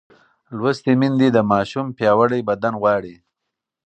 لوستې میندې د ماشوم پیاوړی بدن غواړي.